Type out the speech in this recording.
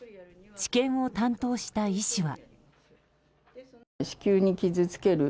治験を担当した医師は。